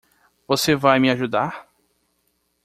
Você vai me ajudar?